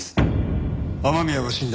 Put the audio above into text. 雨宮が死んだ